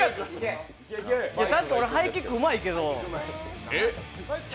確かに俺、ハイキックうまいけど。